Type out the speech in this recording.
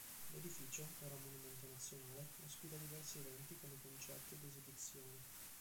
L'edificio, ora monumento nazionale, ospita diversi eventi come concerti ed esibizioni.